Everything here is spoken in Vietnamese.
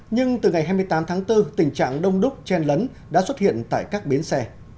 nhưng từ ngày hai mươi tám tháng bốn tình trạng đông đúc chen lấn đã xuất hiện tại các bến xe